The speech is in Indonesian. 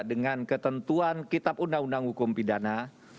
dengan ketentuan kitab undang undang hukum pidana